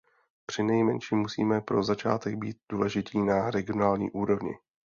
Přinejmenším musíme pro začátek být důležití na regionální úrovni.